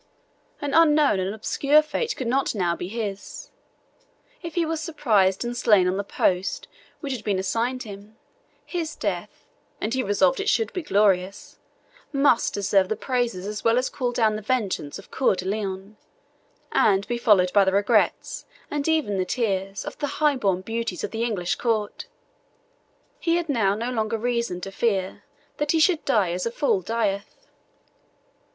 An unknown and obscure fate could not now be his. If he was surprised and slain on the post which had been assigned him, his death and he resolved it should be glorious must deserve the praises as well as call down the vengeance of Coeur de Lion, and be followed by the regrets, and even the tears, of the high born beauties of the English Court. He had now no longer reason to fear that he should die as a fool dieth.